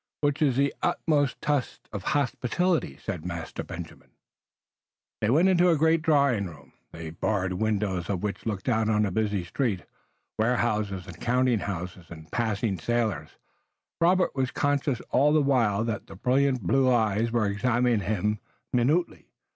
"Which is the utmost test of hospitality," said Master Benjamin. They went into a great drawing room, the barred windows of which looked out upon a busy street, warehouses and counting houses and passing sailors. Robert was conscious all the while that the brilliant blue eyes were examining him minutely.